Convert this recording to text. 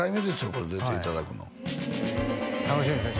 これ出ていただくの楽しみですね